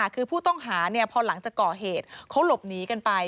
คือผู้ต้องหาพอหลังจากก่อเหตุเขาหลบหนีกันไป